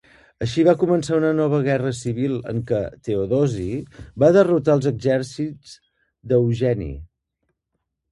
Així, va començar una nova guerra civil en què Teodosi va derrotar els exèrcits d'Eugeni.